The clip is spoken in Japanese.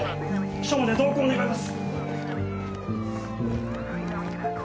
署まで同行願います。